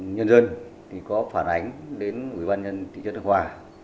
nhân dân có phản ánh đến ủy ban nhân dân thị trấn hợp hòa